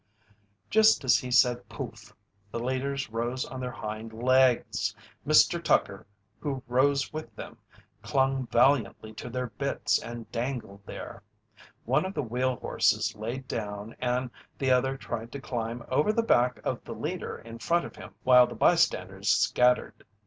Just as he said "poof!", the leaders rose on their hind legs. Mr. Tucker, who rose with them, clung valiantly to their bits and dangled there. One of the wheel horses laid down and the other tried to climb over the back of the leader in front of him, while the bystanders scattered.